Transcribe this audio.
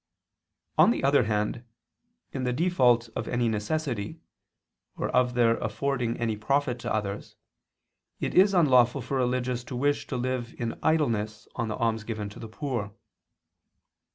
On the other hand, in the default of any necessity, or of their affording any profit to others, it is unlawful for religious to wish to live in idleness on the alms given to the poor.